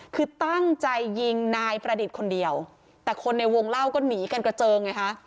คือตั้งใจยิงนายประดิษฐ์คนเดียวแต่คนในวงเล่าก็หนีกันกระเจิงไงฮะ